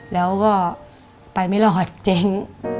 แล้วก็ไปไม่รอดเจ๊ง